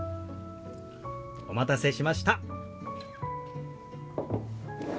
お待たせしました。